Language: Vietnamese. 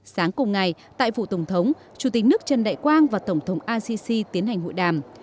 sáng cùng ngày tại phủ tổng thống chủ tịch nước trần đại quang và tổng thống assisi tiến hành hội đàm